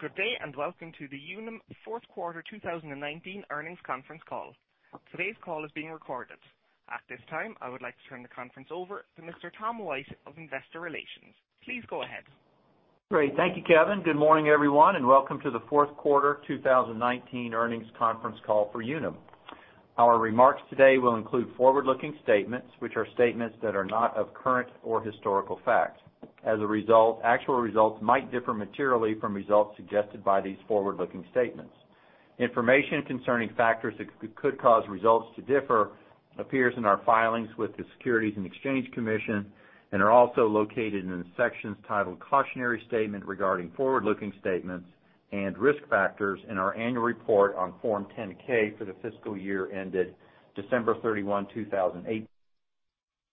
Good day, welcome to the Unum fourth quarter 2019 earnings conference call. Today's call is being recorded. At this time, I would like to turn the conference over to Mr. Tom White of Investor Relations. Please go ahead. Great. Thank you, Kevin. Good morning, everyone, welcome to the fourth quarter 2019 earnings conference call for Unum. Our remarks today will include forward-looking statements, which are statements that are not of current or historical fact. As a result, actual results might differ materially from results suggested by these forward-looking statements. Information concerning factors that could cause results to differ appears in our filings with the Securities and Exchange Commission and are also located in the sections titled Cautionary Statement Regarding Forward-Looking Statements and Risk Factors in our annual report on Form 10-K for the fiscal year ended December 31, 2018,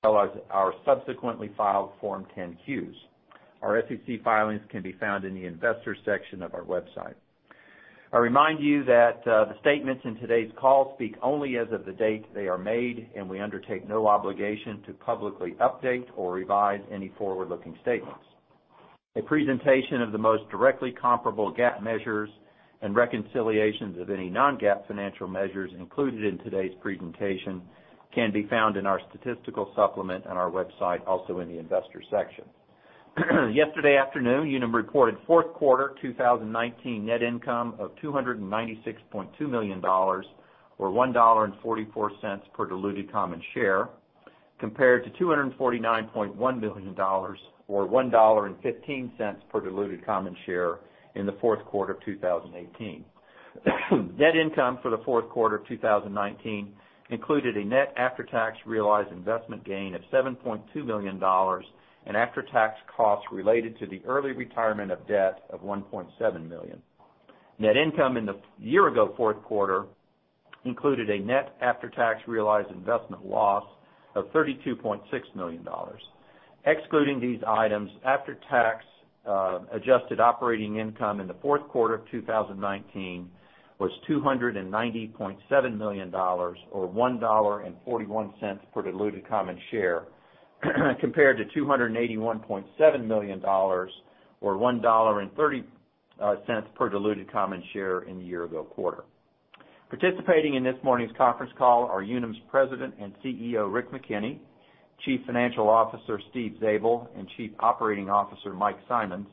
as well as our subsequently filed Form 10-Qs. Our SEC filings can be found in the Investors section of our website. I remind you that the statements in today's call speak only as of the date they are made, we undertake no obligation to publicly update or revise any forward-looking statements. A presentation of the most directly comparable GAAP measures and reconciliations of any non-GAAP financial measures included in today's presentation can be found in our statistical supplement on our website, also in the Investors section. Yesterday afternoon, Unum reported fourth quarter 2019 net income of $296.2 million, or $1.44 per diluted common share, compared to $249.1 million or $1.15 per diluted common share in the fourth quarter of 2018. Net income for the fourth quarter of 2019 included a net after-tax realized investment gain of $7.2 million and after-tax costs related to the early retirement of debt of $1.7 million. Net income in the year ago fourth quarter included a net after-tax realized investment loss of $32.6 million. Excluding these items, after-tax adjusted operating income in the fourth quarter of 2019 was $290.7 million, or $1.41 per diluted common share, compared to $281.7 million or $1.30 per diluted common share in the year ago quarter. Participating in this morning's conference call are Unum's President and CEO, Rick McKenney, Chief Financial Officer, Steve Zabel, Chief Operating Officer, Mike Simonds,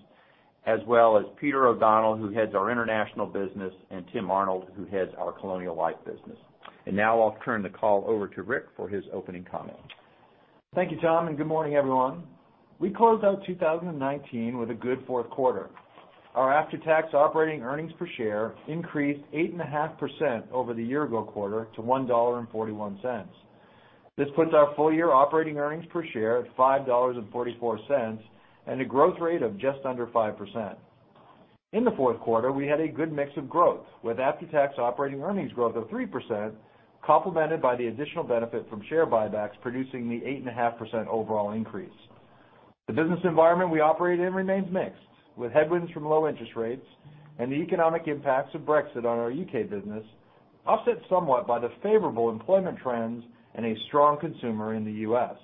as well as Peter O'Donnell, who heads our International Business, Tim Arnold, who heads our Colonial Life Business. Now I'll turn the call over to Rick for his opening comments. Thank you, Tom, and good morning, everyone. We closed out 2019 with a good fourth quarter. Our after-tax operating earnings per share increased 8.5% over the year ago quarter to $1.41. This puts our full-year operating earnings per share at $5.44, and a growth rate of just under 5%. In the fourth quarter, we had a good mix of growth, with after-tax operating earnings growth of 3%, complemented by the additional benefit from share buybacks producing the 8.5% overall increase. The business environment we operate in remains mixed, with headwinds from low interest rates and the economic impacts of Brexit on our U.K. business offset somewhat by the favorable employment trends and a strong consumer in the U.S.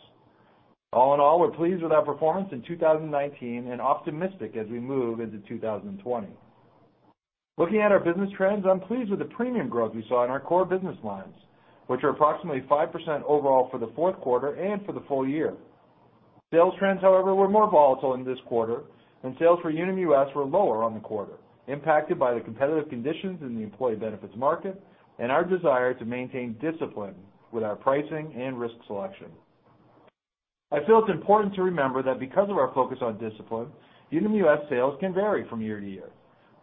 All in all, we're pleased with our performance in 2019 and optimistic as we move into 2020. Looking at our business trends, I'm pleased with the premium growth we saw in our core business lines, which are approximately 5% overall for the fourth quarter and for the full year. Sales trends, however, were more volatile in this quarter, and sales for Unum U.S. were lower on the quarter, impacted by the competitive conditions in the employee benefits market and our desire to maintain discipline with our pricing and risk selection. I feel it's important to remember that because of our focus on discipline, Unum U.S. sales can vary from year to year,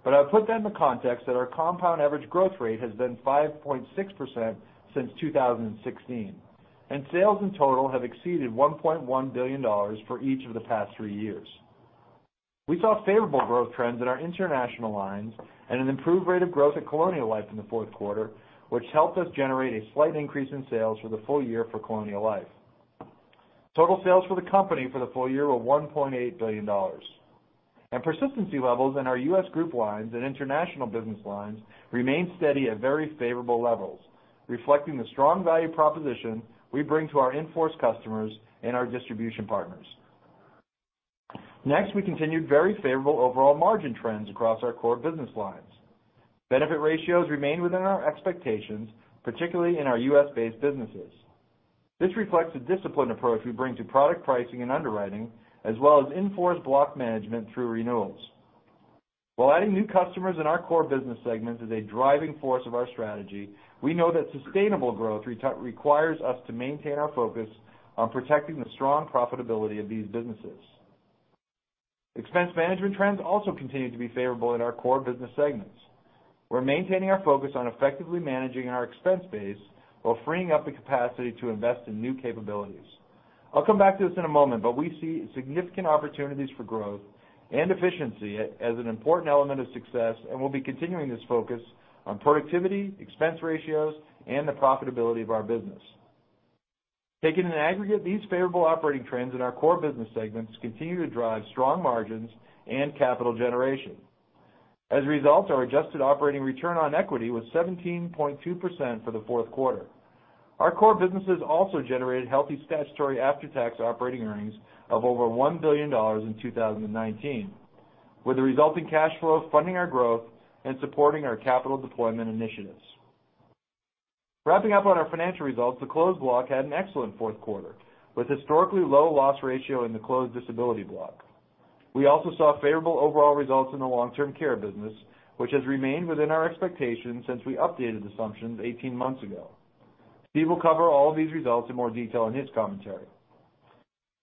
but I would put that in the context that our compound average growth rate has been 5.6% since 2016, and sales in total have exceeded $1.1 billion for each of the past three years. We saw favorable growth trends in our international lines and an improved rate of growth at Colonial Life in the fourth quarter, which helped us generate a slight increase in sales for the full year for Colonial Life. Total sales for the company for the full year were $1.8 billion. Persistency levels in our U.S. group lines and international business lines remain steady at very favorable levels, reflecting the strong value proposition we bring to our in-force customers and our distribution partners. Next, we continued very favorable overall margin trends across our core business lines. Benefit ratios remain within our expectations, particularly in our U.S.-based businesses. This reflects the disciplined approach we bring to product pricing and underwriting, as well as in-force block management through renewals. While adding new customers in our core business segments is a driving force of our strategy, we know that sustainable growth requires us to maintain our focus on protecting the strong profitability of these businesses. Expense management trends also continue to be favorable in our core business segments. We're maintaining our focus on effectively managing our expense base while freeing up the capacity to invest in new capabilities. I'll come back to this in a moment, but we see significant opportunities for growth and efficiency as an important element of success, and we'll be continuing this focus on productivity, expense ratios, and the profitability of our business. Taking an aggregate, these favorable operating trends in our core business segments continue to drive strong margins and capital generation. As a result, our adjusted operating return on equity was 17.2% for the fourth quarter. Our core businesses also generated healthy statutory after-tax operating earnings of over $1 billion in 2019, with the resulting cash flow funding our growth and supporting our capital deployment initiatives. Wrapping up on our financial results, the closed block had an excellent fourth quarter, with historically low loss ratio in the closed disability block. We also saw favorable overall results in the long-term care business, which has remained within our expectations since we updated assumptions 18 months ago. Steve will cover all of these results in more detail in his commentary.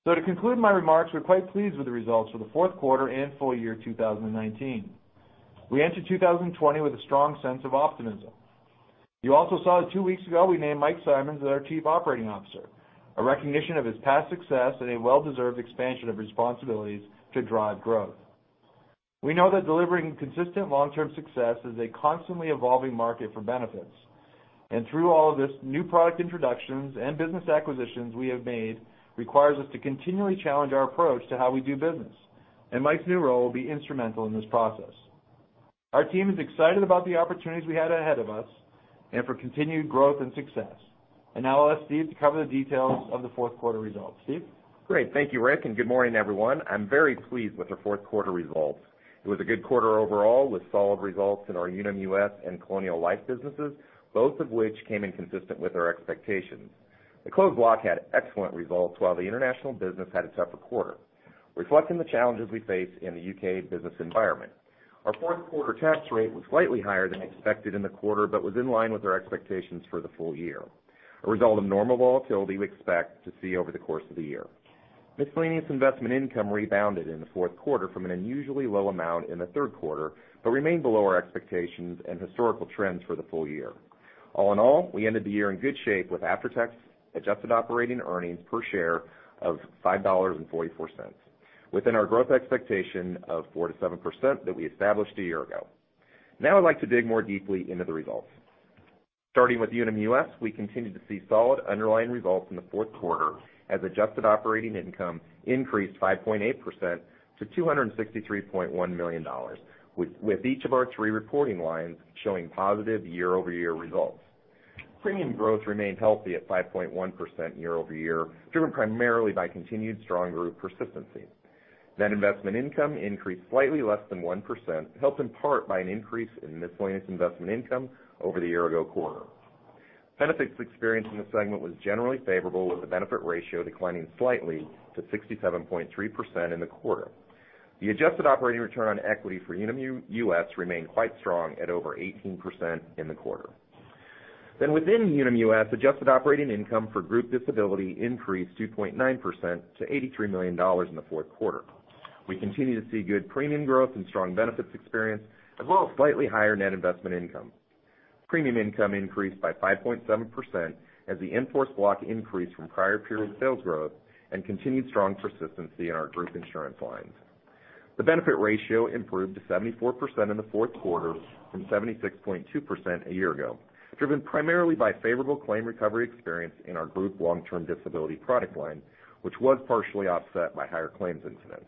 To conclude my remarks, we're quite pleased with the results for the fourth quarter and full year 2019. We enter 2020 with a strong sense of optimism. You also saw that two weeks ago, we named Mike Simonds as our Chief Operating Officer, a recognition of his past success and a well-deserved expansion of responsibilities to drive growth. We know that delivering consistent long-term success is a constantly evolving market for benefits. Through all of this, new product introductions and business acquisitions we have made requires us to continually challenge our approach to how we do business, and Mike's new role will be instrumental in this process. Our team is excited about the opportunities we had ahead of us and for continued growth and success. Now I'll ask Steve to cover the details of the fourth quarter results. Steve? Great. Thank you, Rick, and good morning, everyone. I'm very pleased with the fourth quarter results. It was a good quarter overall with solid results in our Unum US and Colonial Life businesses, both of which came in consistent with our expectations. The closed block had excellent results while the international business had a tougher quarter, reflecting the challenges we face in the U.K. business environment. Our fourth quarter tax rate was slightly higher than expected in the quarter, but was in line with our expectations for the full year, a result of normal volatility we expect to see over the course of the year. Miscellaneous investment income rebounded in the fourth quarter from an unusually low amount in the third quarter, but remained below our expectations and historical trends for the full year. All in all, we ended the year in good shape with after-tax adjusted operating earnings per share of $5.44, within our growth expectation of 4%-7% that we established a year ago. I'd like to dig more deeply into the results. Starting with Unum US, we continued to see solid underlying results in the fourth quarter as adjusted operating income increased 5.8% to $263.1 million, with each of our three reporting lines showing positive year-over-year results. Premium growth remained healthy at 5.1% year-over-year, driven primarily by continued strong group persistency. Net investment income increased slightly less than 1%, helped in part by an increase in miscellaneous investment income over the year-ago quarter. Benefits experienced in the segment was generally favorable, with the benefit ratio declining slightly to 67.3% in the quarter. The adjusted operating return on equity for Unum US remained quite strong at over 18% in the quarter. Within Unum US, adjusted operating income for group disability increased 2.9% to $83 million in the fourth quarter. We continue to see good premium growth and strong benefits experience, as well as slightly higher net investment income. Premium income increased by 5.7% as the in-force block increased from prior period sales growth and continued strong persistency in our group insurance lines. The benefit ratio improved to 74% in the fourth quarter from 76.2% a year ago, driven primarily by favorable claim recovery experience in our group long-term disability product line, which was partially offset by higher claims incidence.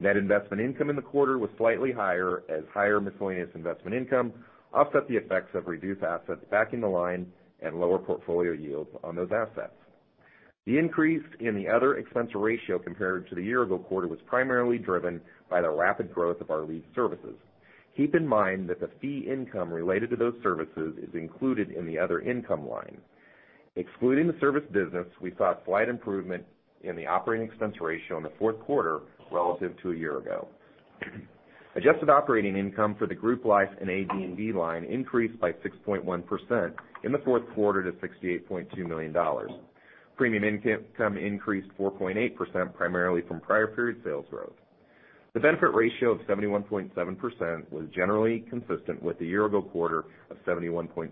Net investment income in the quarter was slightly higher as higher miscellaneous investment income offset the effects of reduced assets back in the line and lower portfolio yields on those assets. The increase in the other expense ratio compared to the year-ago quarter was primarily driven by the rapid growth of our leave services. Keep in mind that the fee income related to those services is included in the other income line. Excluding the service business, we saw a slight improvement in the operating expense ratio in the fourth quarter relative to a year ago. Adjusted operating income for the group life and AD&D line increased by 6.1% in the fourth quarter to $68.2 million. Premium income increased 4.8%, primarily from prior period sales growth. The benefit ratio of 71.7% was generally consistent with the year-ago quarter of 71.6%.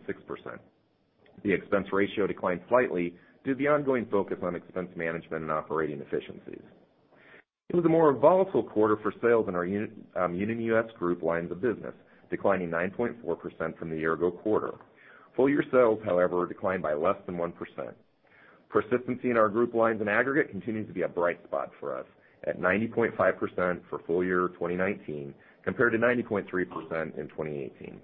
The expense ratio declined slightly due to the ongoing focus on expense management and operating efficiencies. It was a more volatile quarter for sales in our Unum US Group lines of business, declining 9.4% from the year-ago quarter. Full-year sales, however, declined by less than 1%. Persistency in our group lines in aggregate continues to be a bright spot for us at 90.5% for full year 2019, compared to 90.3% in 2018.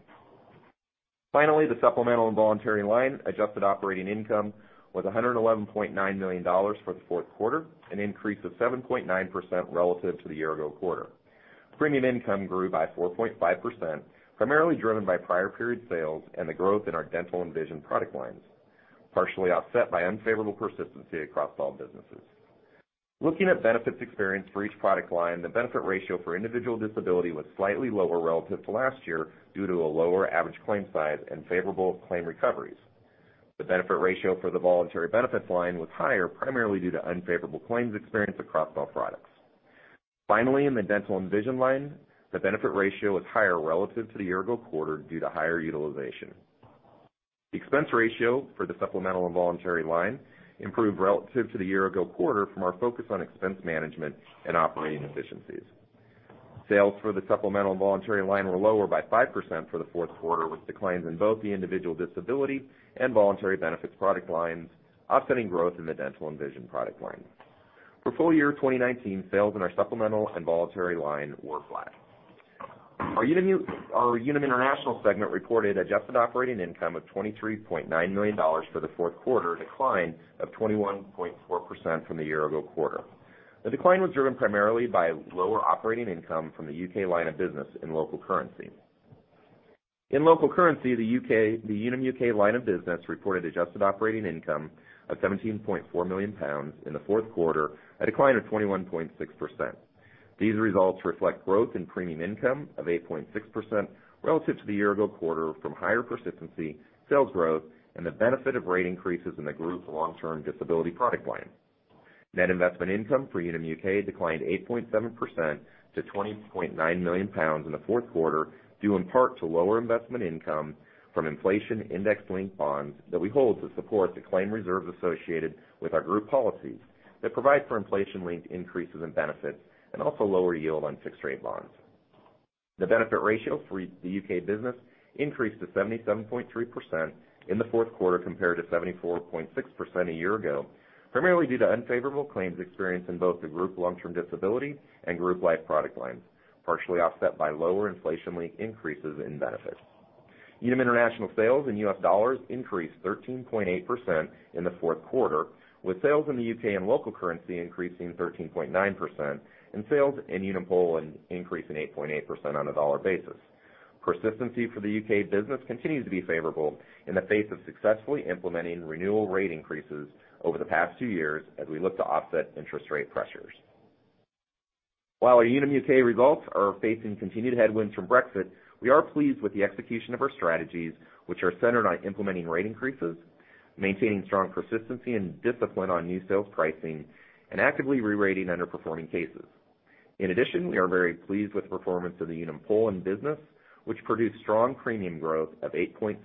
The supplemental and voluntary line adjusted operating income was $111.9 million for the fourth quarter, an increase of 7.9% relative to the year-ago quarter. Premium income grew by 4.5%, primarily driven by prior period sales and the growth in our dental and vision product lines, partially offset by unfavorable persistency across all businesses. Looking at benefits experienced for each product line, the benefit ratio for individual disability was slightly lower relative to last year due to a lower average claim size and favorable claim recoveries. The benefit ratio for the voluntary benefits line was higher, primarily due to unfavorable claims experienced across all products. In the dental and vision line, the benefit ratio was higher relative to the year-ago quarter due to higher utilization. The expense ratio for the supplemental and voluntary line improved relative to the year-ago quarter from our focus on expense management and operating efficiencies. Sales for the supplemental and voluntary line were lower by 5% for the fourth quarter, with declines in both the individual disability and voluntary benefits product lines offsetting growth in the dental and vision product lines. For full year 2019, sales in our supplemental and voluntary line were flat. Our Unum International segment reported adjusted operating income of $23.9 million for the fourth quarter, a decline of 21.4% from the year-ago quarter. The decline was driven primarily by lower operating income from the U.K. line of business in local currency. In local currency, the Unum U.K. line of business reported adjusted operating income of £17.4 million in the fourth quarter, a decline of 21.6%. These results reflect growth in premium income of 8.6% relative to the year-ago quarter from higher persistency, sales growth, and the benefit of rate increases in the group long-term disability product line. Net investment income for Unum U.K. declined 8.7% to £20.9 million in the fourth quarter, due in part to lower investment income from inflation index-linked bonds that we hold to support the claim reserves associated with our group policies that provide for inflation-linked increases in benefits, and also lower yield on fixed-rate bonds. The benefit ratio for the U.K. business increased to 77.3% in the fourth quarter, compared to 74.6% a year ago, primarily due to unfavorable claims experience in both the group long-term disability and group life product lines, partially offset by lower inflation-linked increases in benefits. Unum International sales in US dollars increased 13.8% in the fourth quarter, with sales in the U.K. and local currency increasing 13.9%, and sales in Unum Poland increasing 8.8% on a dollar basis. Persistency for the U.K. business continues to be favorable in the face of successfully implementing renewal rate increases over the past two years as we look to offset interest rate pressures. While our Unum U.K. results are facing continued headwinds from Brexit, we are pleased with the execution of our strategies, which are centered on implementing rate increases, maintaining strong persistency and discipline on new sales pricing, and actively rerating underperforming cases. In addition, we are very pleased with the performance of the Unum Poland business, which produced strong premium growth of 8.6%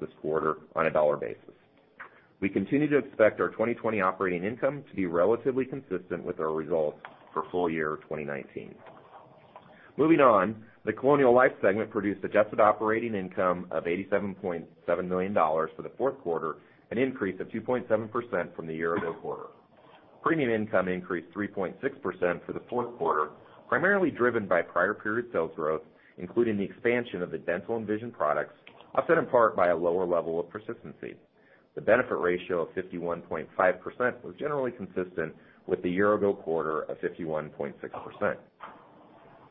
this quarter on a dollar basis. We continue to expect our 2020 operating income to be relatively consistent with our results for full-year 2019. Moving on, the Colonial Life segment produced adjusted operating income of $87.7 million for the fourth quarter, an increase of 2.7% from the year-ago quarter. Premium income increased 3.6% for the fourth quarter, primarily driven by prior period sales growth, including the expansion of the dental and vision products, offset in part by a lower level of persistency. The benefit ratio of 51.5% was generally consistent with the year-ago quarter of 51.6%.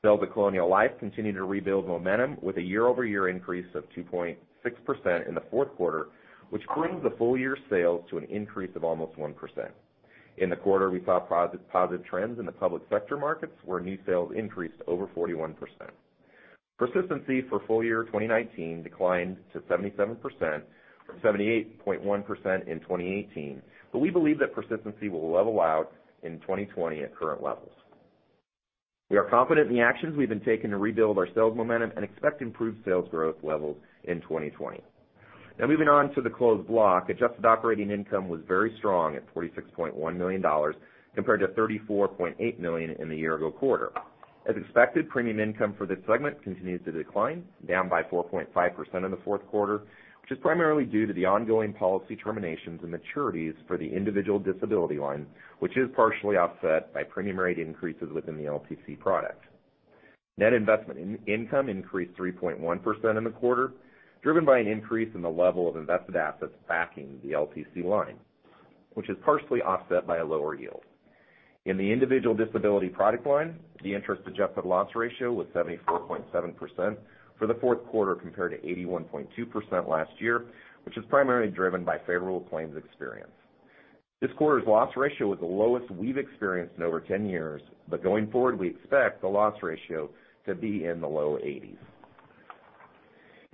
Sales at Colonial Life continued to rebuild momentum with a year-over-year increase of 2.6% in the fourth quarter, which brings the full-year sales to an increase of almost 1%. In the quarter, we saw positive trends in the public sector markets, where new sales increased over 41%. Persistency for full-year 2019 declined to 77% from 78.1% in 2018, but we believe that persistency will level out in 2020 at current levels. We are confident in the actions we've been taking to rebuild our sales momentum and expect improved sales growth levels in 2020. Now moving on to the Closed Block, adjusted operating income was very strong at $46.1 million, compared to $34.8 million in the year-ago quarter. As expected, premium income for this segment continues to decline, down by 4.5% in the fourth quarter, which is primarily due to the ongoing policy terminations and maturities for the individual disability line, which is partially offset by premium rate increases within the LTC product. Net investment income increased 3.1% in the quarter, driven by an increase in the level of invested assets backing the LTC line, which is partially offset by a lower yield. In the individual disability product line, the interest-adjusted loss ratio was 74.7% for the fourth quarter compared to 81.2% last year, which is primarily driven by favorable claims experience. This quarter's loss ratio is the lowest we've experienced in over 10 years, but going forward, we expect the loss ratio to be in the low 80s.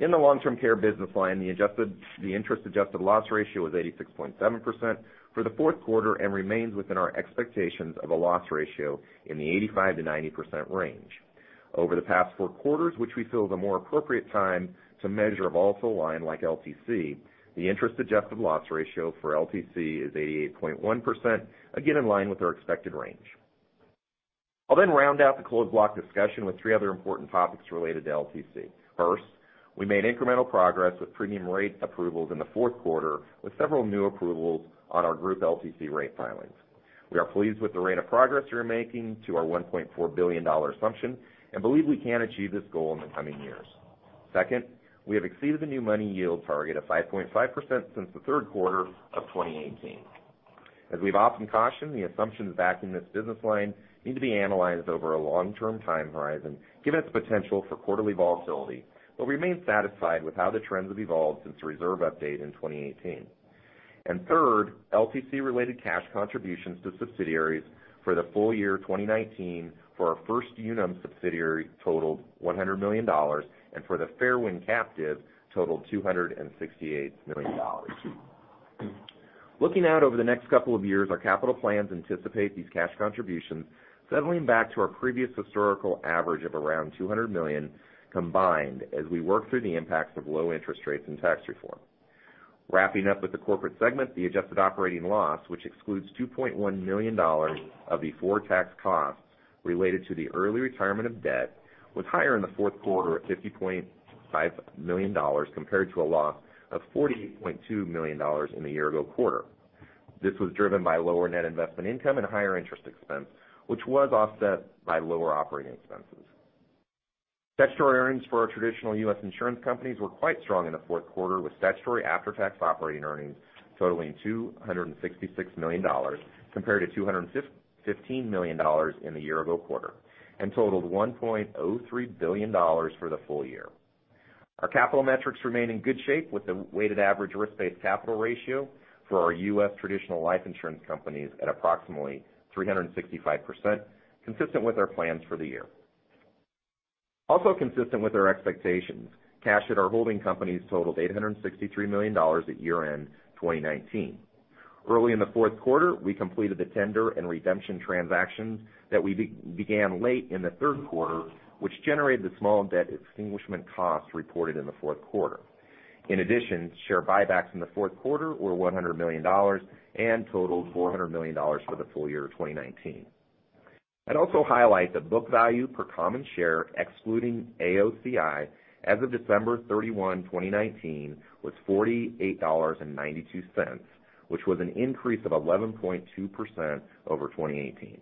In the long-term care business line, the interest-adjusted loss ratio was 86.7% for the fourth quarter and remains within our expectations of a loss ratio in the 85%-90% range. Over the past four quarters, which we feel is a more appropriate time to measure a volatile line like LTC, the interest-adjusted loss ratio for LTC is 88.1%, again in line with our expected range. I'll then round out the Closed Block discussion with three other important topics related to LTC. First, we made incremental progress with premium rate approvals in the fourth quarter, with several new approvals on our group LTC rate filings. We are pleased with the rate of progress we are making to our $1.4 billion assumption and believe we can achieve this goal in the coming years. Second, we have exceeded the new money yield target of 5.5% since the third quarter of 2018. We've often cautioned, the assumptions backing this business line need to be analyzed over a long-term time horizon, given its potential for quarterly volatility. We remain satisfied with how the trends have evolved since the reserve update in 2018. Third, LTC-related cash contributions to subsidiaries for the full year 2019 for our First Unum subsidiary totaled $100 million, and for the Fairwind captive totaled $268 million. Looking out over the next couple of years, our capital plans anticipate these cash contributions settling back to our previous historical average of around $200 million combined as we work through the impacts of low interest rates and tax reform. Wrapping up with the Corporate segment, the adjusted operating loss, which excludes $2.1 million of before tax costs related to the early retirement of debt, was higher in the fourth quarter at $50.5 million, compared to a loss of $40.2 million in the year-ago quarter. This was driven by lower net investment income and higher interest expense, which was offset by lower operating expenses. Statutory earnings for our traditional U.S. insurance companies were quite strong in the fourth quarter with statutory after-tax operating earnings totaling $266 million compared to $215 million in the year-ago quarter, and totaled $1.03 billion for the full year. Our capital metrics remain in good shape with the weighted average risk-based capital ratio for our U.S. traditional life insurance companies at approximately 365%, consistent with our plans for the year. Also consistent with our expectations, cash at our holding companies totaled $863 million at year-end 2019. Early in the fourth quarter, we completed the tender and redemption transactions that we began late in the third quarter, which generated the small debt extinguishment costs reported in the fourth quarter. In addition, share buybacks in the fourth quarter were $100 million and totaled $400 million for the full year of 2019. I'd also highlight that book value per common share, excluding AOCI, as of December 31, 2019, was $48.92, which was an increase of 11.2% over 2018.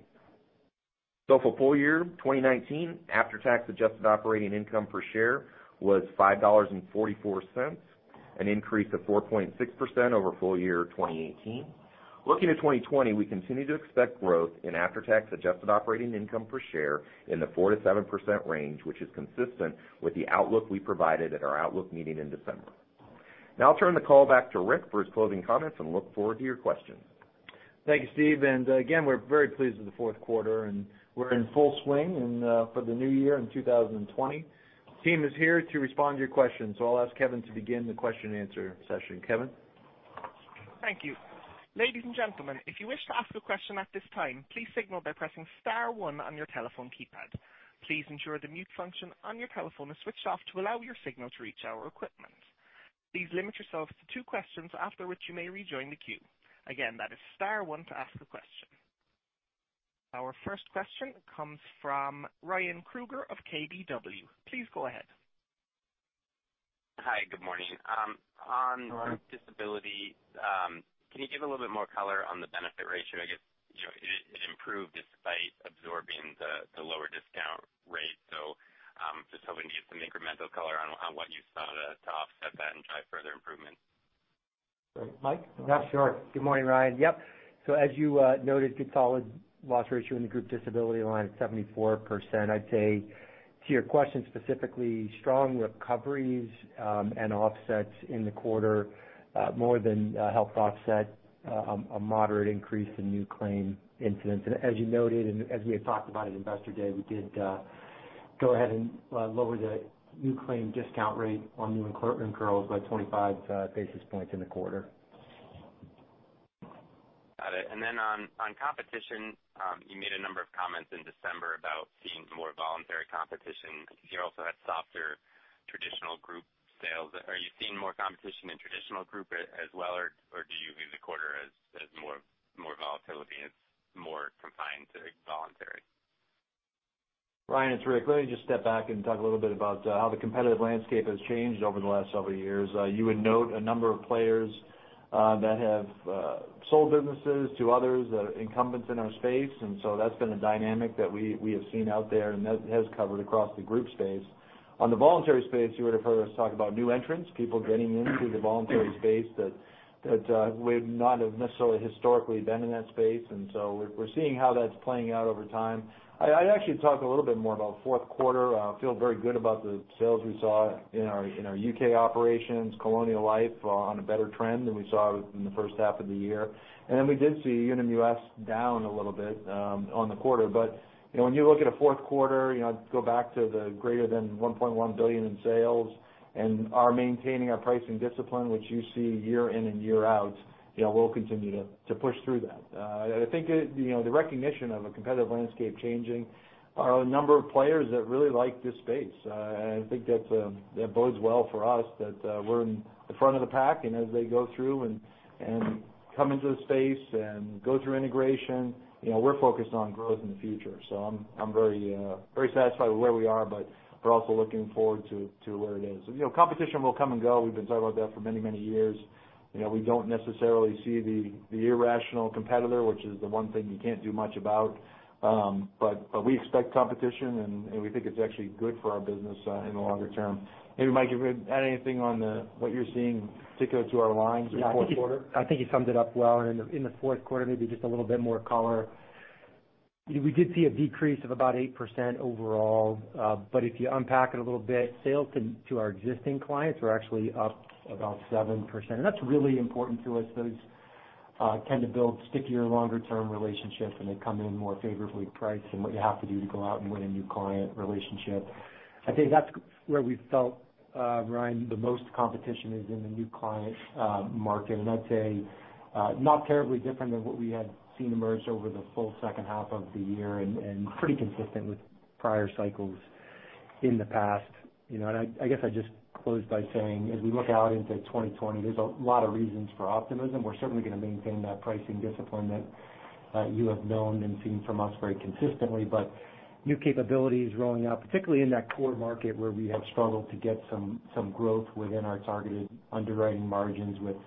For full year 2019, after-tax adjusted operating income per share was $5.44, an increase of 4.6% over full year 2018. Looking at 2020, we continue to expect growth in after-tax adjusted operating income per share in the 4% to 7% range, which is consistent with the outlook we provided at our outlook meeting in December. Now I'll turn the call back to Rick for his closing comments and look forward to your questions. Thank you, Steve. Again, we're very pleased with the fourth quarter, and we're in full swing for the new year in 2020. Team is here to respond to your questions, so I'll ask Kevin to begin the question and answer session. Kevin? Thank you. Ladies and gentlemen, if you wish to ask a question at this time, please signal by pressing *1 on your telephone keypad. Please ensure the mute function on your telephone is switched off to allow your signal to reach our equipment. Please limit yourselves to two questions, after which you may rejoin the queue. Again, that is *1 to ask a question. Our first question comes from Ryan Krueger of KBW. Please go ahead. Hi, good morning. Hello. On group disability, can you give a little bit more color on the benefit ratio? I guess it improved despite absorbing the lower discount rate. Just hoping to get some incremental color on what you saw to offset that and drive further improvements. Mike? Yeah, sure. Good morning, Ryan. As you noted, good solid loss ratio in the group disability line at 74%. I'd say to your question specifically, strong recoveries and offsets in the quarter more than helped offset a moderate increase in new claim incidence. As you noted, and as we had talked about at Investor Day, we did go ahead and lower the new claim discount rate on new incurred by 25 basis points in the quarter. Got it. On competition, you made a number of comments in December about seeing more voluntary competition, because you also had softer traditional group sales. Are you seeing more competition in traditional group as well, or do you view the quarter as more volatility and it's more confined to voluntary? Ryan, it's Rick. Let me just step back and talk a little bit about how the competitive landscape has changed over the last several years. You would note a number of players that have sold businesses to others that are incumbents in our space, that's been a dynamic that we have seen out there and has covered across the group space. On the voluntary space, you would have heard us talk about new entrants, people getting into the voluntary space that would not have necessarily historically been in that space, we're seeing how that's playing out over time. I'd actually talk a little bit more about fourth quarter. I feel very good about the sales we saw in our UK operations, Colonial Life on a better trend than we saw in the first half of the year. We did see Unum US down a little bit on the quarter. When you look at a fourth quarter, go back to the greater than $1.1 billion in sales and our maintaining our pricing discipline, which you see year in and year out, we'll continue to push through that. I think the recognition of a competitive landscape changing are a number of players that really like this space. I think that bodes well for us that we're in the front of the pack, and as they go through and come into the space and go through integration, we're focused on growth in the future. I'm very satisfied with where we are, but we're also looking forward to where it is. Competition will come and go. We've been talking about that for many, many years. We don't necessarily see the irrational competitor, which is the one thing you can't do much about. We expect competition, and we think it's actually good for our business in the longer term. Maybe, Mike, you could add anything on what you're seeing particular to our lines in the fourth quarter? I think you summed it up well in the fourth quarter, maybe just a little bit more color. We did see a decrease of about 8% overall. If you unpack it a little bit, sales to our existing clients were actually up about 7%. That's really important to us. Those tend to build stickier, longer-term relationships, and they come in more favorably priced than what you have to do to go out and win a new client relationship. I think that's where we felt, Ryan, the most competition is in the new client market, and I'd say, not terribly different than what we had seen emerge over the full second half of the year and pretty consistent with prior cycles in the past. I guess I'd just close by saying, as we look out into 2020, there's a lot of reasons for optimism. We're certainly going to maintain that pricing discipline that You have known and seen from us very consistently, new capabilities rolling out, particularly in that core market where we have struggled to get some growth within our targeted underwriting margins with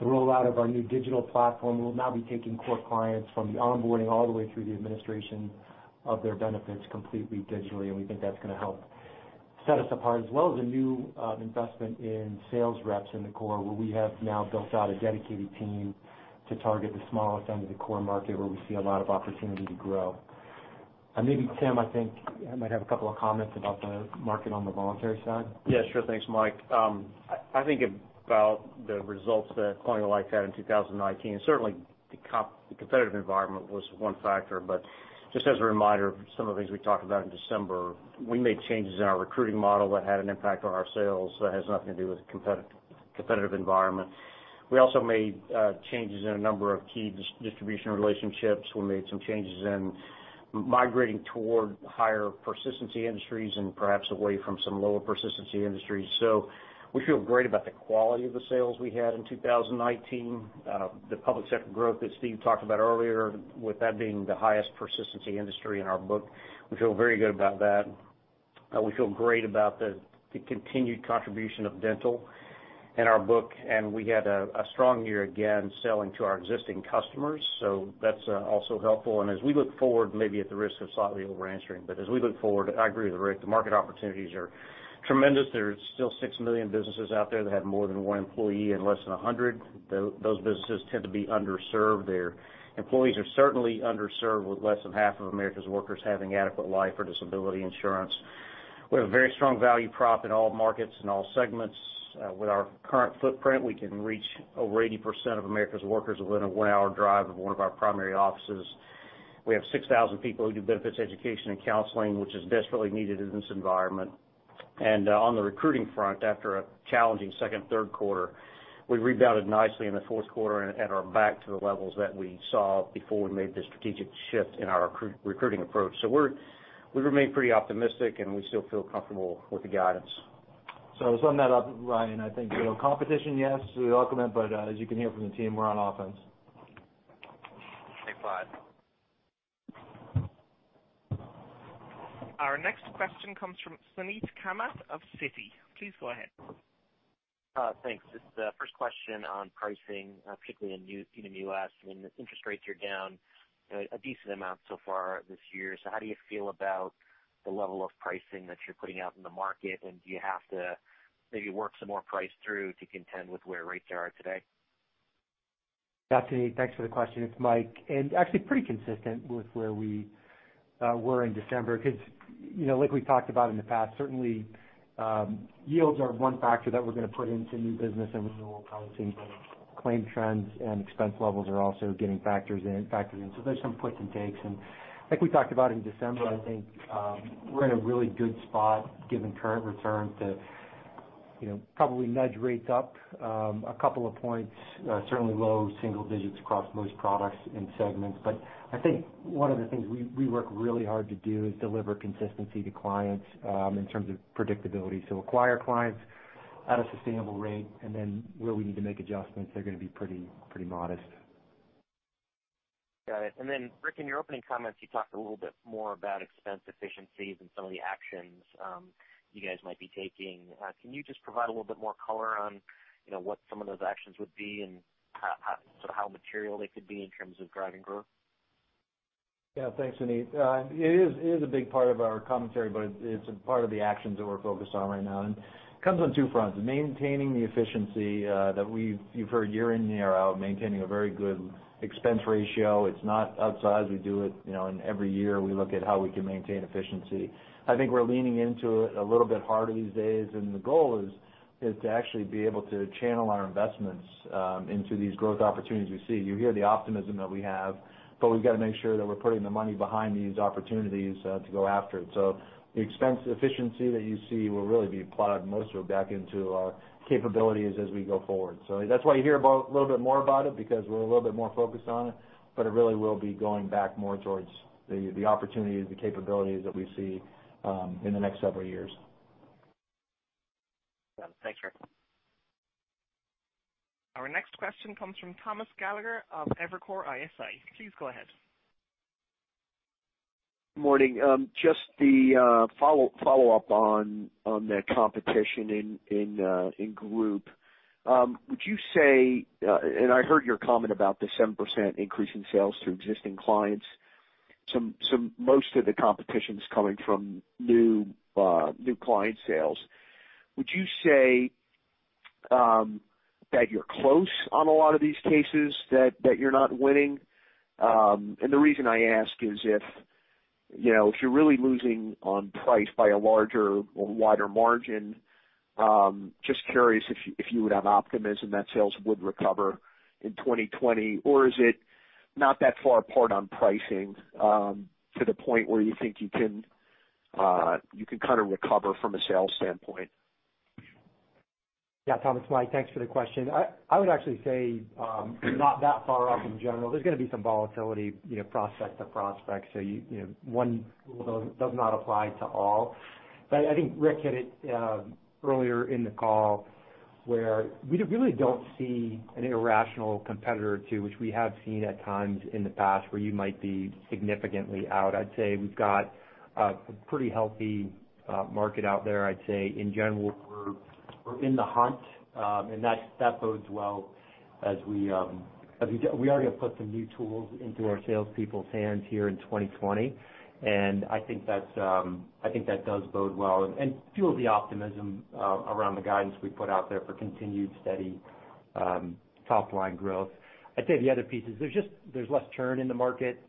the rollout of our new digital platform. We'll now be taking core clients from the onboarding all the way through the administration of their benefits completely digitally, and we think that's going to help set us apart. As well as a new investment in sales reps in the core, where we have now built out a dedicated team to target the smallest end of the core market where we see a lot of opportunity to grow. Maybe Tim, I think, might have a couple of comments about the market on the voluntary side. Yeah, sure. Thanks, Mike. I think about the results that Colonial Life had in 2019. Certainly, the competitive environment was one factor, just as a reminder of some of the things we talked about in December, we made changes in our recruiting model that had an impact on our sales that has nothing to do with competitive environment. We also made changes in a number of key distribution relationships. We made some changes in migrating toward higher persistency industries and perhaps away from some lower persistency industries. We feel great about the quality of the sales we had in 2019. The public sector growth that Steve talked about earlier, with that being the highest persistency industry in our book, we feel very good about that. We feel great about the continued contribution of dental in our book, we had a strong year again selling to our existing customers, that's also helpful. As we look forward, maybe at the risk of slightly over answering, as we look forward, I agree with Rick, the market opportunities are tremendous. There's still 6 million businesses out there that have more than one employee and less than 100. Those businesses tend to be underserved. Their employees are certainly underserved with less than half of America's workers having adequate life or disability insurance. We have a very strong value prop in all markets and all segments. With our current footprint, we can reach over 80% of America's workers within a one-hour drive of one of our primary offices. We have 6,000 people who do benefits education and counseling, which is desperately needed in this environment. On the recruiting front, after a challenging second, third quarter, we rebounded nicely in the fourth quarter and are back to the levels that we saw before we made the strategic shift in our recruiting approach. We remain pretty optimistic, we still feel comfortable with the guidance. To sum that up, Ryan, I think competition, yes, we welcome it, but as you can hear from the team, we're on offense. Okay, bye. Our next question comes from Suneet Kamath of Citi. Please go ahead. Thanks. Just a first question on pricing, particularly in the U.S. Interest rates are down a decent amount so far this year. How do you feel about the level of pricing that you're putting out in the market, and do you have to maybe work some more price through to contend with where rates are today? Yeah, Suneet, thanks for the question. It's Mike. Actually pretty consistent with where we were in December, because like we talked about in the past, certainly yields are one factor that we're going to put into new business and renewal pricing, but claim trends and expense levels are also getting factors in. There's some puts and takes. Like we talked about in December, I think we're in a really good spot given current returns to probably nudge rates up a couple of points, certainly low single digits across most products and segments. I think one of the things we work really hard to do is deliver consistency to clients in terms of predictability. Acquire clients at a sustainable rate, and then where we need to make adjustments, they're going to be pretty modest. Got it. Then, Rick, in your opening comments, you talked a little bit more about expense efficiencies and some of the actions you guys might be taking. Can you just provide a little bit more color on what some of those actions would be and how material they could be in terms of driving growth? Yeah, thanks, Suneet. It is a big part of our commentary, but it's a part of the actions that we're focused on right now, and it comes on two fronts. Maintaining the efficiency that you've heard year in, year out, maintaining a very good expense ratio. It's not outsized. We do it in every year. We look at how we can maintain efficiency. I think we're leaning into it a little bit harder these days, and the goal is to actually be able to channel our investments into these growth opportunities we see. You hear the optimism that we have, but we've got to make sure that we're putting the money behind these opportunities to go after it. The expense efficiency that you see will really be applied mostly back into our capabilities as we go forward. That's why you hear a little bit more about it, because we're a little bit more focused on it, but it really will be going back more towards the opportunities, the capabilities that we see in the next several years. Got it. Thanks, Rick. Our next question comes from Thomas Gallagher of Evercore ISI. Please go ahead. Morning. Just the follow-up on the competition in group. I heard your comment about the 7% increase in sales to existing clients. Most of the competition is coming from new client sales. Would you say that you're close on a lot of these cases that you're not winning? The reason I ask is if you're really losing on price by a larger or wider margin, just curious if you would have optimism that sales would recover in 2020, or is it not that far apart on pricing to the point where you think you can kind of recover from a sales standpoint? Yeah, Tom, it's Mike, thanks for the question. I would actually say, not that far off in general. There's going to be some volatility prospect to prospect. One rule does not apply to all. I think Rick hit it earlier in the call, where we really don't see an irrational competitor too, which we have seen at times in the past, where you might be significantly out. I'd say we've got a pretty healthy market out there. I'd say, in general, we're in the hunt, and that bodes well. We are going to put some new tools into our salespeople's hands here in 2020, and I think that does bode well and fuels the optimism around the guidance we put out there for continued steady top-line growth. I'd say the other piece is there's less churn in the market.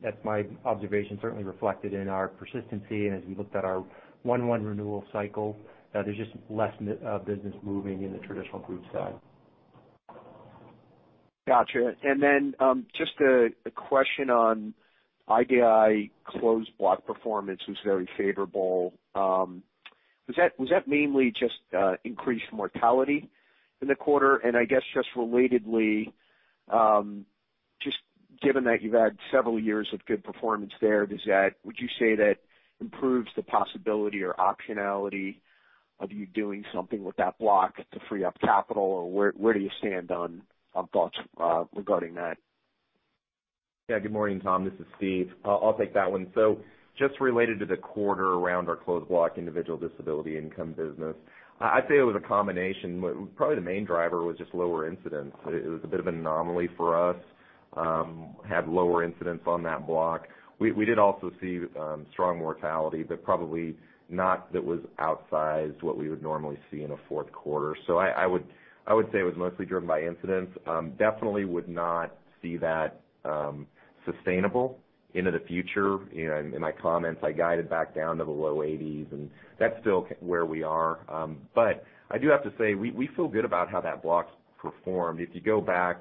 That's my observation, certainly reflected in our persistency and as we looked at our one-one renewal cycle. There's just less business moving in the traditional group side. Got you. Just a question on IDI closed block performance was very favorable. Was that mainly just increased mortality in the quarter? I guess just relatedly, given that you've had several years of good performance there, would you say that improves the possibility or optionality of you doing something with that block to free up capital? Where do you stand on thoughts regarding that? Yeah. Good morning, Tom. This is Steve. I'll take that one. Just related to the quarter around our closed block individual disability income business, I'd say it was a combination. Probably the main driver was just lower incidents. It was a bit of an anomaly for us, had lower incidents on that block. We did also see strong mortality, probably not that was outsized what we would normally see in a fourth quarter. I would say it was mostly driven by incidents. Definitely would not see that sustainable into the future. In my comments, I guided back down to the low 80s. That's still where we are. I do have to say, we feel good about how that block's performed. If you go back,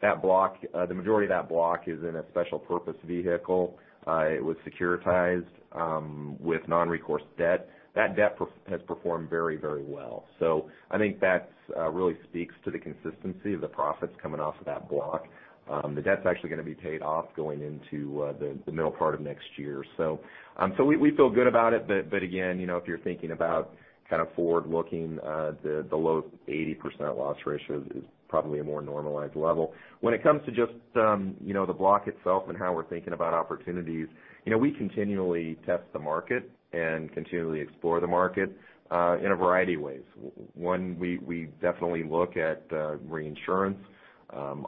the majority of that block is in a special purpose vehicle. It was securitized with non-recourse debt. That debt has performed very, very well. I think that really speaks to the consistency of the profits coming off of that block. The debt's actually going to be paid off going into the middle part of next year. We feel good about it, again, if you're thinking about kind of forward-looking, the low 80% loss ratio is probably a more normalized level. When it comes to just the block itself and how we're thinking about opportunities, we continually test the market and continually explore the market, in a variety of ways. One, we definitely look at reinsurance.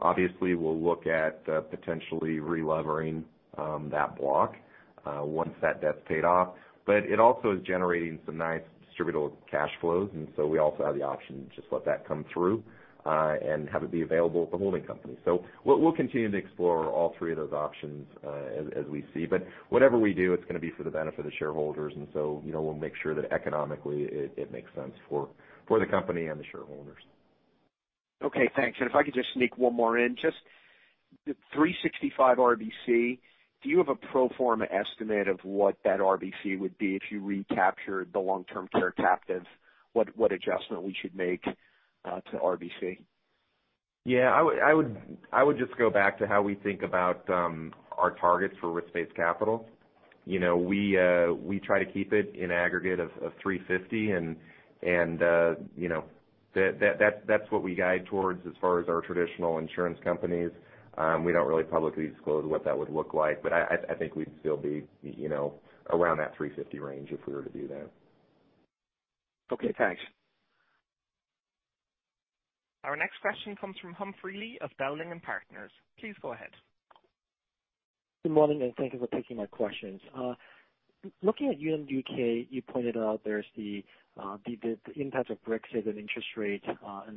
Obviously, we'll look at potentially relevering that block once that debt's paid off. It also is generating some nice distributable cash flows. We also have the option to just let that come through, and have it be available at the holding company. We'll continue to explore all three of those options, as we see. Whatever we do, it's going to be for the benefit of the shareholders, and so, we'll make sure that economically it makes sense for the company and the shareholders. Okay, thanks. If I could just sneak one more in, just the 365 RBC, do you have a pro forma estimate of what that RBC would be if you recaptured the long-term care captives? What adjustment we should make to RBC? Yeah. I would just go back to how we think about our targets for risk-based capital. We try to keep it in aggregate of 350, and that's what we guide towards as far as our traditional insurance companies. We don't really publicly disclose what that would look like, but I think we'd still be around that 350 range if we were to do that. Okay, thanks. Our next question comes from Humphrey Lee of Dowling & Partners. Please go ahead. Good morning, thank you for taking my questions. Looking at Unum UK, you pointed out there's the impact of Brexit and interest rates.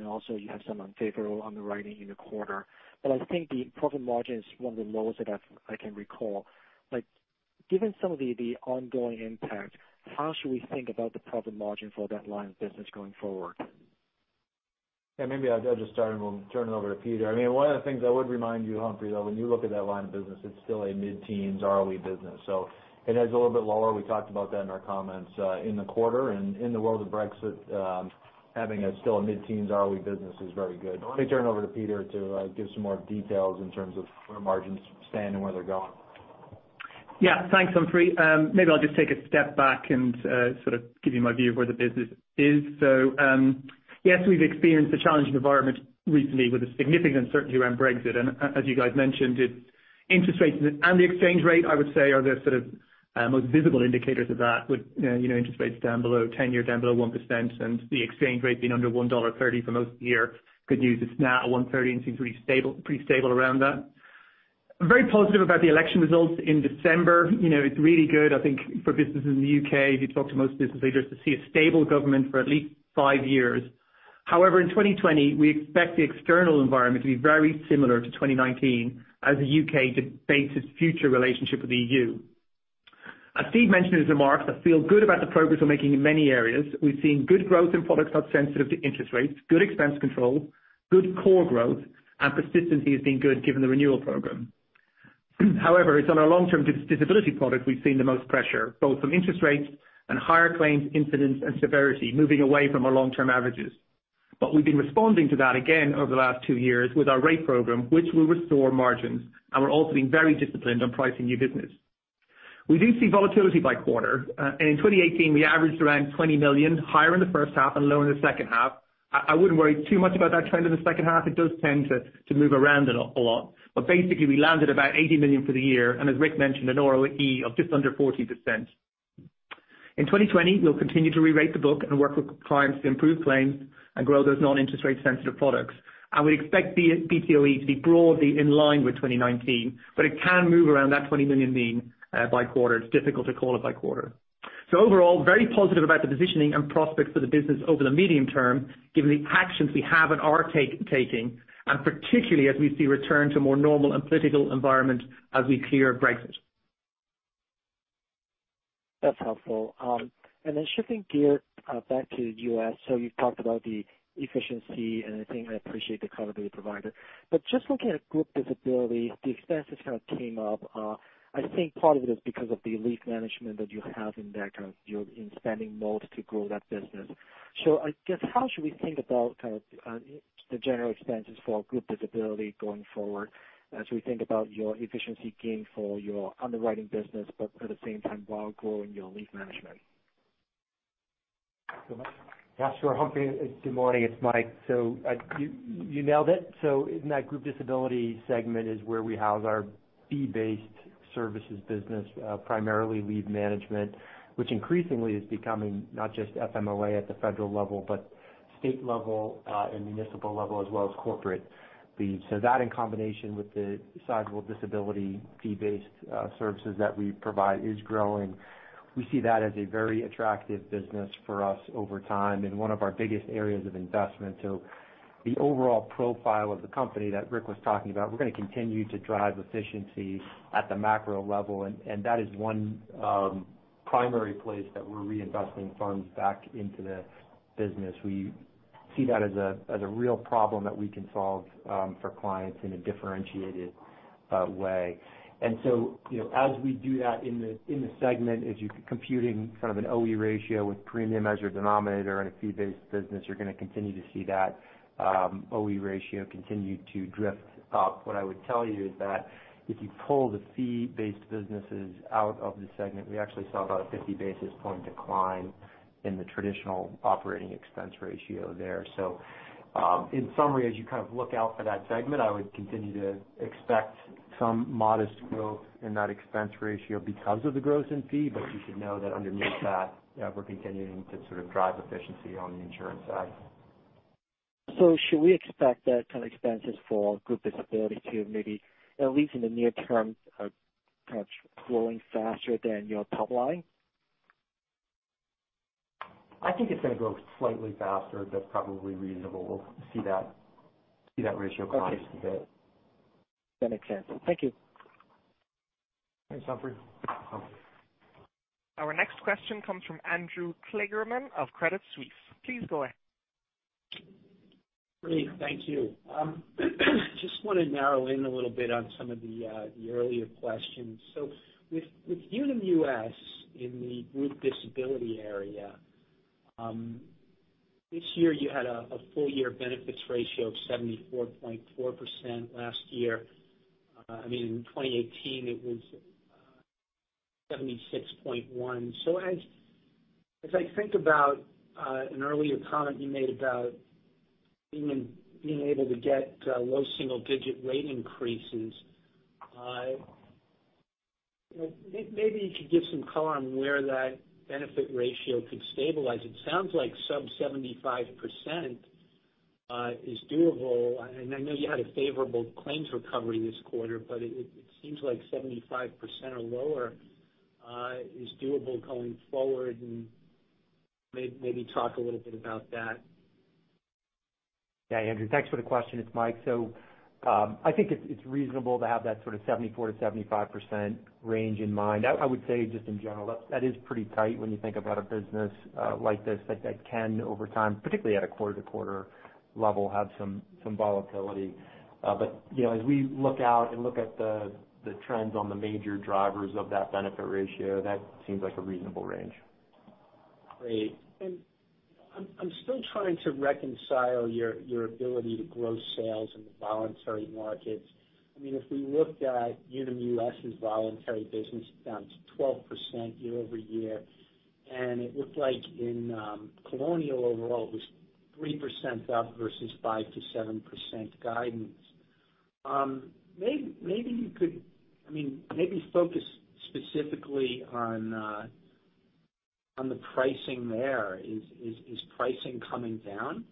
Also you have some unfavorable underwriting in the quarter. I think the profit margin is one of the lowest that I can recall. Given some of the ongoing impact, how should we think about the profit margin for that line of business going forward? Maybe I'll just start and we'll turn it over to Peter. One of the things I would remind you, Humphrey, though, when you look at that line of business, it's still a mid-teens ROE business. It is a little bit lower. We talked about that in our comments, in the quarter. In the world of Brexit, having still a mid-teens ROE business is very good. Let me turn it over to Peter to give some more details in terms of where margins stand and where they're going. Thanks, Humphrey. Maybe I'll just take a step back and sort of give you my view of where the business is. Yes, we've experienced a challenging environment recently with a significant uncertainty around Brexit. As you guys mentioned, interest rates and the exchange rate, I would say, are the sort of most visible indicators of that with interest rates down below, 10-year down below 1%, and the exchange rate being under $1.30 for most of the year. Good news, it's now at $1.30 and seems pretty stable around that. Very positive about the election results in December. It's really good, I think, for businesses in the U.K., if you talk to most business leaders, to see a stable government for at least five years. However, in 2020, we expect the external environment to be very similar to 2019 as the U.K. debates its future relationship with EU. As Steve mentioned in his remarks, I feel good about the progress we're making in many areas. We've seen good growth in products that are sensitive to interest rates, good expense control, good core growth, and persistency has been good given the renewal program. It's on our long-term disability product, we've seen the most pressure, both from interest rates and higher claims incidence and severity moving away from our long-term averages. We've been responding to that again over the last two years with our rate program, which will restore margins, and we're also being very disciplined on pricing new business. We do see volatility by quarter. In 2018, we averaged around $20 million, higher in the first half and lower in the second half. I wouldn't worry too much about that trend in the second half. It does tend to move around a lot. Basically, we landed about $80 million for the year, and as Rick mentioned, an OOE of just under 40%. In 2020, we'll continue to rerate the book and work with clients to improve claims and grow those non-interest rate sensitive products. We expect BTOE to be broadly in line with 2019, but it can move around that $20 million mean by quarter. It's difficult to call it by quarter. Overall, very positive about the positioning and prospects for the business over the medium term, given the actions we have and are taking, and particularly as we see return to more normal and political environment as we clear Brexit. That's helpful. Then shifting gears back to the U.S., you've talked about the efficiency, and I think I appreciate the clarity provided. Just looking at group disability, the expenses kind of came up. I think part of it is because of the leave management that you have in there, you're in spending mode to grow that business. I guess, how should we think about the general expenses for group disability going forward as we think about your efficiency gain for your underwriting business, but at the same time, while growing your leave management? Sure, Humphrey. Good morning, it's Mike. You nailed it. In that group disability segment is where we house our fee-based services business, primarily leave management, which increasingly is becoming not just FMLA at the federal level, but state level and municipal level, as well as corporate fees. That in combination with the sizable disability fee-based services that we provide is growing. We see that as a very attractive business for us over time and one of our biggest areas of investment. The overall profile of the company that Rick was talking about, we're going to continue to drive efficiency at the macro level, and that is one primary place that we're reinvesting funds back into the business. We see that as a real problem that we can solve for clients in a differentiated way. As we do that in the segment, as you're computing an OE ratio with premium as your denominator in a fee-based business, you're going to continue to see that OE ratio continue to drift up. What I would tell you is that if you pull the fee-based businesses out of the segment, we actually saw about a 50 basis point decline in the traditional operating expense ratio there. In summary, as you look out for that segment, I would continue to expect some modest growth in that expense ratio because of the growth in fee. You should know that underneath that, we're continuing to drive efficiency on the insurance side. Should we expect that kind of expenses for group disability to maybe, at least in the near term, perhaps growing faster than your top line? I think it's going to grow slightly faster. That's probably reasonable. We'll see that ratio continue. Okay. That makes sense. Thank you. Thanks, Humphrey. Our next question comes from Andrew Kligerman of Credit Suisse. Please go ahead. Great. Thank you. Just want to narrow in a little bit on some of the earlier questions. With Unum US in the group disability area, this year you had a full-year benefits ratio of 74.4%. Last year, I mean, in 2018, it was 76.1%. As I think about an earlier comment you made about being able to get low single-digit rate increases, maybe you could give some color on where that benefit ratio could stabilize. It sounds like sub 75% is doable. I know you had a favorable claims recovery this quarter, but it seems like 75% or lower is doable going forward, and maybe talk a little bit about that. Andrew, thanks for the question. It's Mike. I think it's reasonable to have that sort of 74%-75% range in mind. I would say just in general, that is pretty tight when you think about a business like this, that can over time, particularly at a quarter-to-quarter level, have some volatility. As we look out and look at the trends on the major drivers of that benefit ratio, that seems like a reasonable range. Great. I'm still trying to reconcile your ability to grow sales in the voluntary benefits markets. If we looked at Unum US' voluntary benefits business, it's down to 12% year-over-year, and it looked like in Colonial Life overall, it was 3% up versus 5%-7% guidance. Maybe focus specifically on the pricing there. Is pricing coming down?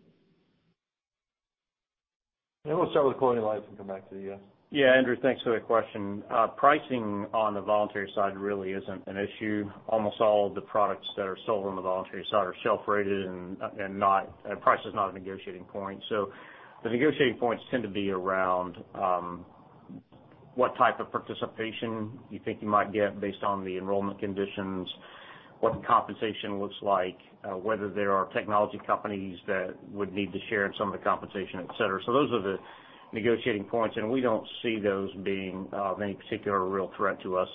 Yeah, we'll start with Colonial Life and come back to you. Andrew, thanks for the question. Pricing on the voluntary benefits side really isn't an issue. Almost all of the products that are sold on the voluntary benefits side are shelf-rated, and price is not a negotiating point. The negotiating points tend to be around what type of participation you think you might get based on the enrollment conditions. What the compensation looks like, whether there are technology companies that would need to share in some of the compensation, et cetera. Those are the negotiating points, and we don't see those being of any particular real threat to us.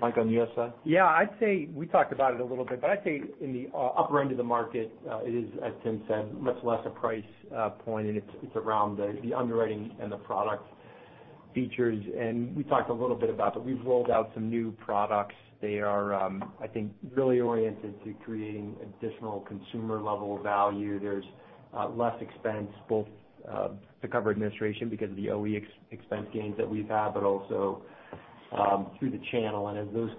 Mike, on the U.S. side? Yeah. We talked about it a little bit, but I'd say in the upper end of the market, it is, as Tim said, much less a price point, and it's around the underwriting and the product features. We talked a little bit about that. We've rolled out some new products. They are, I think, really oriented to creating additional consumer-level value. There's less expense, both to cover administration because of the OE expense gains that we've had, but also through the channel. As those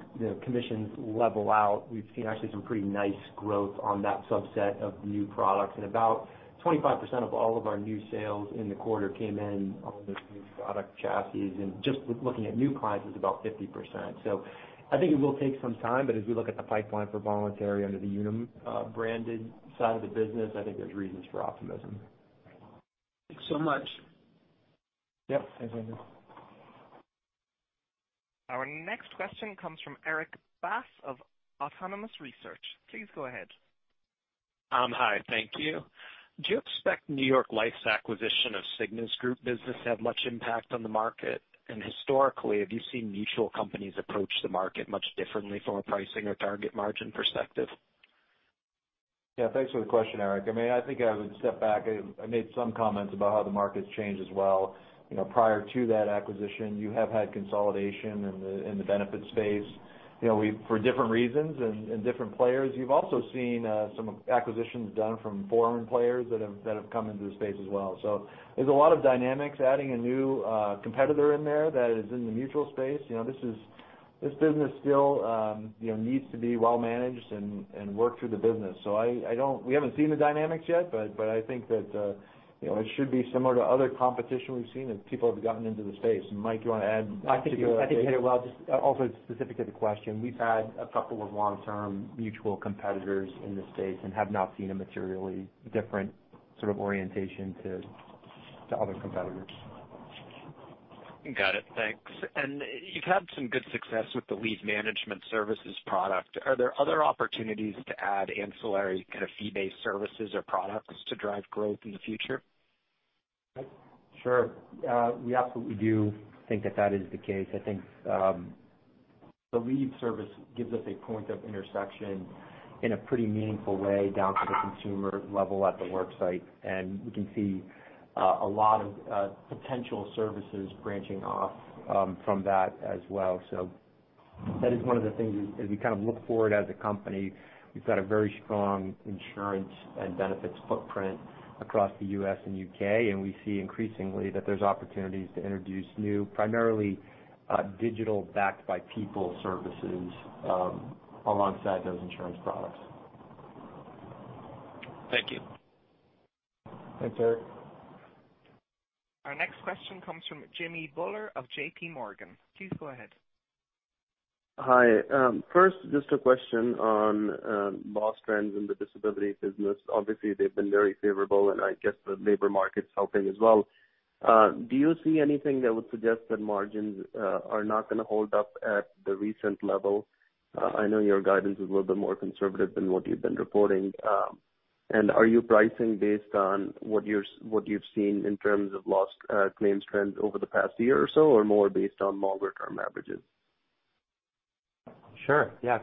commissions level out, we've seen actually some pretty nice growth on that subset of new products, and about 25% of all of our new sales in the quarter came in on those new product chassis. Just with looking at new clients, it's about 50%. I think it will take some time, but as we look at the pipeline for voluntary under the Unum branded side of the business, I think there's reasons for optimism. Thanks so much. Yep. Thanks, Andrew. Our next question comes from Erik Bass of Autonomous Research. Please go ahead. Hi. Thank you. Do you expect New York Life's acquisition of Cigna's group business to have much impact on the market? Historically, have you seen mutual companies approach the market much differently from a pricing or target margin perspective? Thanks for the question, Erik. I think I would step back. I made some comments about how the market's changed as well. Prior to that acquisition, you have had consolidation in the benefits space. For different reasons and different players, you've also seen some acquisitions done from foreign players that have come into the space as well. There's a lot of dynamics. Adding a new competitor in there that is in the mutual space, this business still needs to be well-managed and worked through the business. We haven't seen the dynamics yet, but I think that it should be similar to other competition we've seen as people have gotten into the space. Mike, you want to add to that? I think you hit it well. Just also specific to the question, we've had a couple of long-term mutual competitors in this space and have not seen a materially different sort of orientation to other competitors. Got it. Thanks. You've had some good success with the leave management services product. Are there other opportunities to add ancillary kind of fee-based services or products to drive growth in the future? Sure. We absolutely do think that that is the case. I think the leave services gives us a point of intersection in a pretty meaningful way down to the consumer level at the worksite, and we can see a lot of potential services branching off from that as well. That is one of the things, as we kind of look forward as a company, we've got a very strong insurance and benefits footprint across the U.S. and U.K., and we see increasingly that there's opportunities to introduce new, primarily digital backed by people services, alongside those insurance products. Thank you. Thanks, Erik. Our next question comes from Jimmy Bhullar of J.P. Morgan. Please go ahead. Hi. First, just a question on loss trends in the disability business. Obviously, they've been very favorable, and I guess the labor market's helping as well. Do you see anything that would suggest that margins are not going to hold up at the recent level? I know your guidance is a little bit more conservative than what you've been reporting. Are you pricing based on what you've seen in terms of loss claims trends over the past year or so, or more based on longer-term averages? Sure, yeah.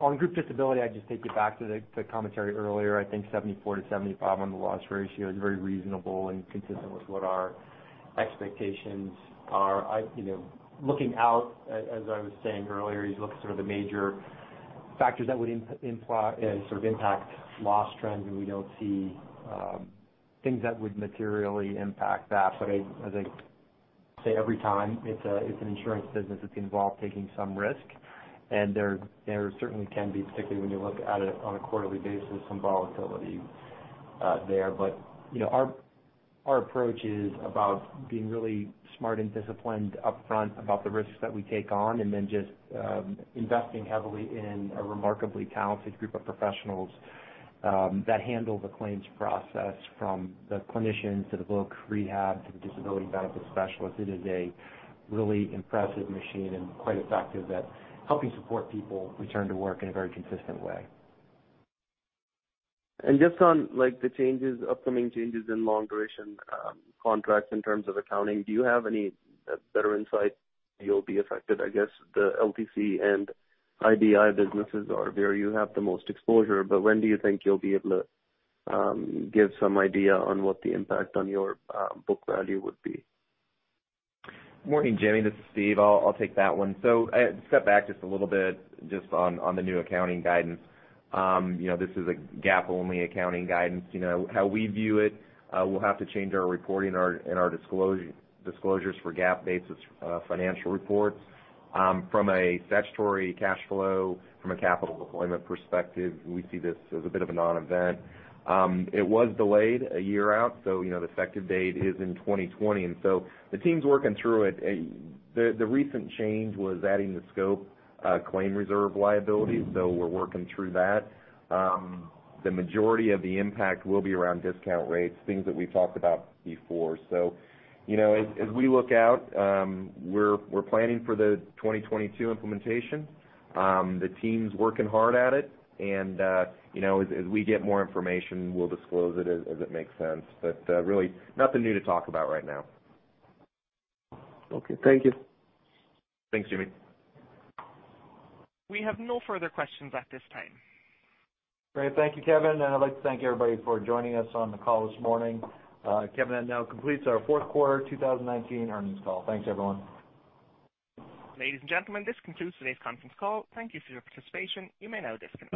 On group disability, I'd just take you back to the commentary earlier. I think 74%-75% on the loss ratio is very reasonable and consistent with what our expectations are. Looking out, as I was saying earlier, you look sort of the major factors that would sort of impact loss trends, and we don't see things that would materially impact that. As I say every time, it's an insurance business. It's involved taking some risk, and there certainly can be, particularly when you look at it on a quarterly basis, some volatility there. Our approach is about being really smart and disciplined upfront about the risks that we take on, and then just investing heavily in a remarkably talented group of professionals that handle the claims process, from the clinicians to the vocational rehabilitation to the disability benefits specialists. It is a really impressive machine and quite effective at helping support people return to work in a very consistent way. Just on the upcoming changes in long-duration contracts in terms of accounting, do you have any better insight you'll be affected? I guess the LTC and IDI businesses are where you have the most exposure, when do you think you'll be able to give some idea on what the impact on your book value would be? Morning, Jimmy. This is Steve. I'll take that one. To step back just a little bit just on the new accounting guidance. This is a GAAP-only accounting guidance. How we view it, we'll have to change our reporting and our disclosures for GAAP-basis financial reports. From a statutory cash flow, from a capital deployment perspective, we see this as a bit of a non-event. It was delayed a year out, the effective date is in 2020, the team's working through it. The recent change was adding the scope claim reserve liability, we're working through that. The majority of the impact will be around discount rates, things that we've talked about before. As we look out, we're planning for the 2022 implementation. The team's working hard at it, as we get more information, we'll disclose it as it makes sense. Really, nothing new to talk about right now. Okay. Thank you. Thanks, Jimmy. We have no further questions at this time. Great. Thank you, Kevin. I'd like to thank everybody for joining us on the call this morning. Kevin, that now completes our fourth quarter 2019 earnings call. Thanks, everyone. Ladies and gentlemen, this concludes today's conference call. Thank you for your participation. You may now disconnect.